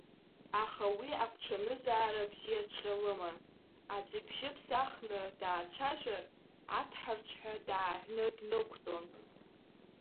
Аха уи агәҽанызаара бзиацҵәҟьа лыман, аӡә ибжьы ԥсахны даацәажәар, аҭҳарцәҳәа дааҳәны днықәтәон.